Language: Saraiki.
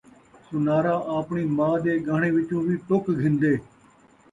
سنارا آپݨی ماء دے ڳاہݨے وچوں وی ٹک گھندے